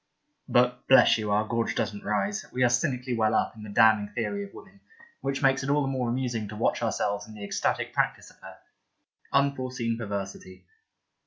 (But, bless you ! our gorge doesn't rise. We are cynically well up in the damning Theory of woman, which makes it all the more amusing to watch ourselves in the ecstatic practice of her. Unforeseen perversity.)